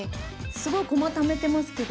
すごい駒ためてますけど。